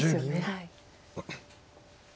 はい。